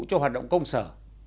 cho hoạt động công sở